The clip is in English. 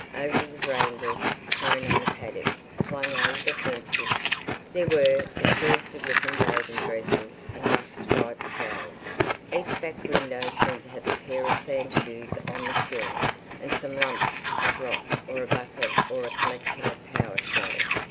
Over the verandas, prone on the paddock, flung over the fences, there were exhausted looking bathing dresses and rough striped towels. Each back window seemed to have a pair of sand shoes on the sill and some lumps of rock or a bucket or a collection of pawa shells.